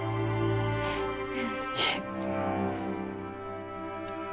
いえ。